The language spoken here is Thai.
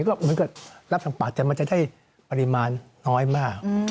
ก็เหมือนกับรับทางปัดแต่มันจะได้ปริมาณน้อยมาก